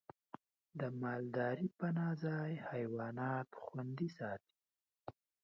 د مالدارۍ پناه ځای حیوانات خوندي ساتي.